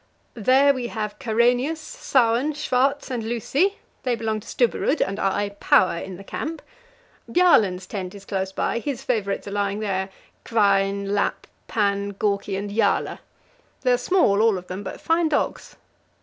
There we have Karenius, Sauen, Schwartz, and Lucy; they belong to Stubberud, and are a power in the camp. Bjaaland's tent is close by; his favourites are lying there Kvaen, Lap, Pan, Gorki, and Jaala. They are small, all of them, but fine dogs.